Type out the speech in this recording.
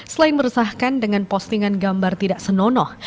selain meresahkan dengan postingan gambar tidak senonoh